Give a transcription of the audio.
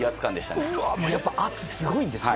やっぱり、圧すごいんですね。